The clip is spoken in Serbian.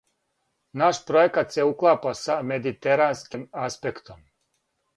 Наш пројекат се уклапа са медитеранским аспектом.